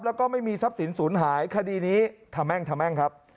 แล้วก็ไม่มีทรัพย์สินศูนย์หายคดีนี้ทะแม่งทะแม่งครับ